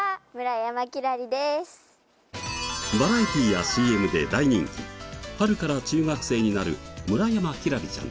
バラエティーやＣＭで大人気春から中学生になる村山輝星ちゃん。